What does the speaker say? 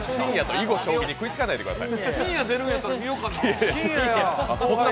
囲碁将棋に食いつかないでください。